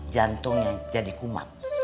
jantungnya jadi kumat